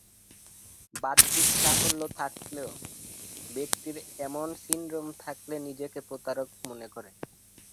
বাহ্যিক সাফল্য থাকলেও ব্যক্তির এমন সিনড্রোম থাকলে নিজেকে প্রতারক মনে করে।